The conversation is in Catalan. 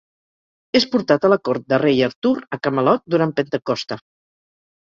És portat a la cort de rei Artur a Camelot durant Pentecosta.